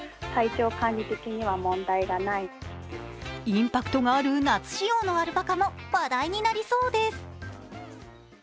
インパクトがある夏仕様のアルパカも話題になりそうです。